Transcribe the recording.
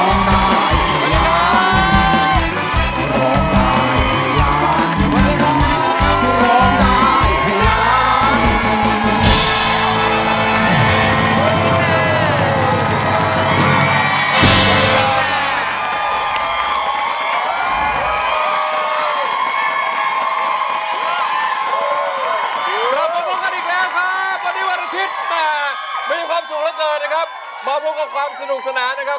มาพบกับความสนุกสนานนะครับ